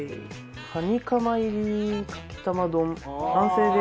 カニカマ入りかき玉丼完成です。